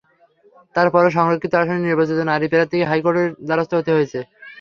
তার পরও সংরক্ষিত আসনের নির্বাচিত নারী প্রার্থীদের হাইকোর্টের দ্বারস্থ হতে হয়েছে।